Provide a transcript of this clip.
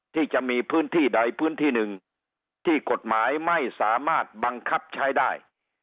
ที่จะมีพื้นที่ใดพื้นที่หนึ่งที่กฎหมายไม่สามารถบังคับใช้ได้